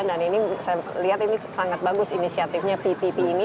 dan ini saya lihat ini sangat bagus inisiatifnya ppp ini